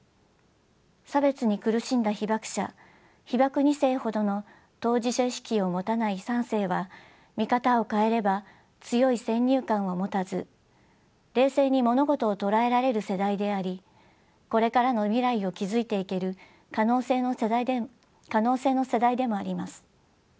差別に苦しんだ被爆者被爆二世ほどの当事者意識を持たない三世は見方を変えれば強い先入観を持たず冷静に物事を捉えられる世代でありこれからの未来を築いていける可能性の世代でもあります。